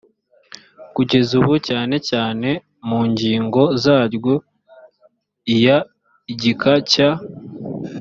kugeza ubu cyane cyane mu ngingo zaryo iya igika cya